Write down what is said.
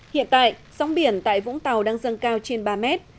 hiện tại sóng biển tại vũng tàu đang dâng cao trên ba mét